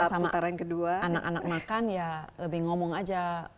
biasa kalau sama anak anak makan ya lebih ngomong aja